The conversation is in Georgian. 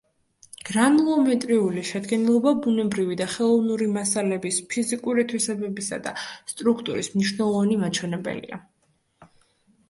გრანულომეტრიული შედგენილობა ბუნებრივი და ხელოვნური მასალების ფიზიკური თვისებებისა და სტრუქტურის მნიშვნელოვანი მაჩვენებელია.